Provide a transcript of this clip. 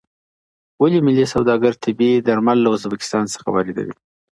ولې ملي سوداګر طبي درمل له ازبکستان څخه واردوي؟